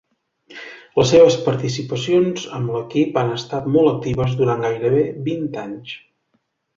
Les seves participacions amb l'equip han estat molt actives durant gairebé vint anys.